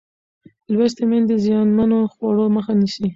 لوستې میندې د زیانمنو خوړو مخه نیسي.